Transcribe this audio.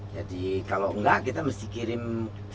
jadi kalau enggak kita mesti kirim setiap kapten